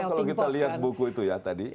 ya kan kalau kita lihat buku itu ya tadi